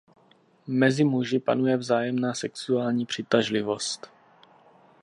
Mezi muži panuje vzájemná sexuální přitažlivost.